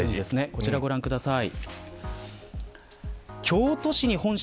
こちらご覧ください。